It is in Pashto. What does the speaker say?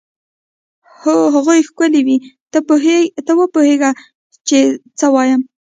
هغوی ښکلې وې؟ ته وپوهېږه چې څه وایم.